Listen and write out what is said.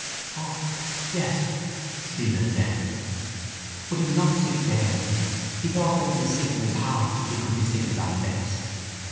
—O yes, Stephen said. But he was not sick there. He thought that he was sick in his heart if you could be sick in that place.